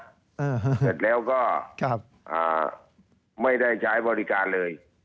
เสร็จแล้วก็ไม่ได้ใช้บริการเลย